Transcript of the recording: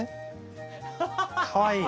かわいい！